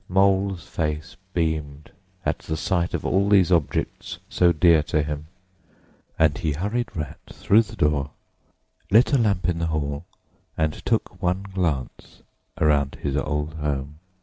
Mole's face beamed at the sight of all these objects so dear to him, and he hurried Rat through the door, lit a lamp in the hall, and took one glance round his old home.